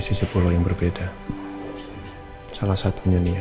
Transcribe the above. sisi pulau yang berbeda salah satunya nia